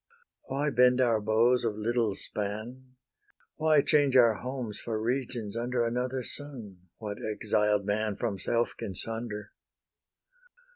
Why bend our bows of little span? Why change our homes for regions under Another sun? What exiled man From self can sunder?